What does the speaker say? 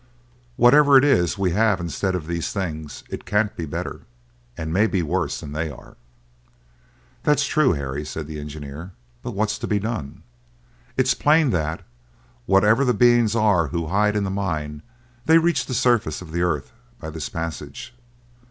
"Whatever it is we have instead of these things, it can't be better, and may be worse than they are." "That's true, Harry," said the engineer; "but what's to be done? It is plain that, whatever the beings are who hide in the mine, they reach the surface of the earth by this passage.